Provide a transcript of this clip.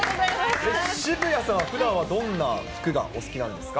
渋谷さんはふだんはどんな服がお好きなんですか。